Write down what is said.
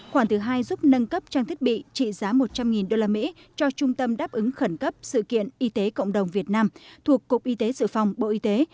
khoản thứ hai giúp nâng cấp trang thiết bị trị giá một trăm linh usd cho trung tâm đáp ứng khẩn cấp sự kiện y tế cộng đồng việt nam thuộc cục y tế dự phòng bộ y tế